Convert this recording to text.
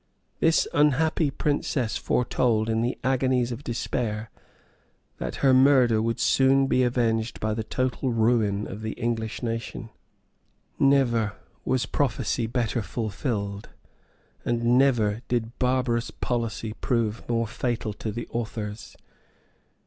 This unhappy princess foretold, in the agonies of despair, that her murder would soon be avenged by the total ruin of the English nation. {1003.} Never was prophecy better fulfilled; and never did barbarous policy prove more fatal to the authors.